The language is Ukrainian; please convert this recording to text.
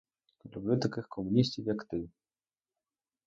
Люблю таких комуністів, як ти!